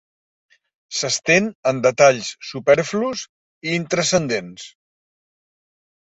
S'estén en detalls superflus i intranscendents.